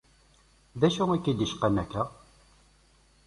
D acu i k-id-icqan akka?